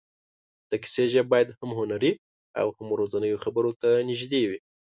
د کیسې ژبه باید هم هنري او هم ورځنیو خبرو ته نږدې وي.